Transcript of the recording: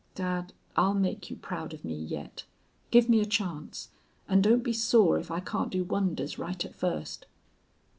"Dad, I'll make you proud of me yet. Give me a chance. And don't be sore if I can't do wonders right at first."